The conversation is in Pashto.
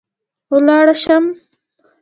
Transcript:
ولاړه شم